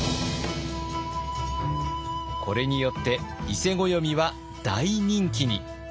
これによって伊勢暦は大人気に。